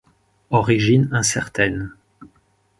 Origine incertaine.